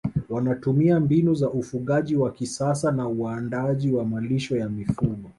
wanatumia mbinu za ufugaji wa kisasa na uandaaji wa malisho ya mifugo